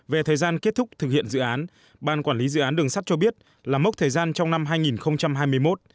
về thời gian kết thúc thực hiện dự án ban quản lý dự án đường sắt cho biết là mốc thời gian trong năm hai nghìn hai mươi một